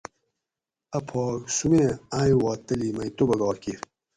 ا پھاک سومیں آئیں وا تلی مئی توبہ گار کیر